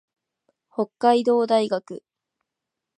北海道大学